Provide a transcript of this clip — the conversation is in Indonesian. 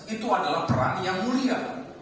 itu adalah peran yang mulia